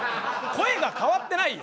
声が変わってないよ。